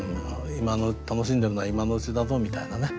楽しんでるのは今のうちだぞみたいなね。